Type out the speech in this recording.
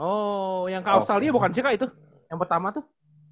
oh yang ke australia bukan ck itu yang pertama tuh